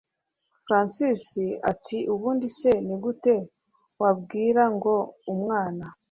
Francis atiubundi se nigute wabwira ngo umwana